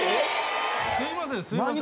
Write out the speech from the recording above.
すいませんすいません何？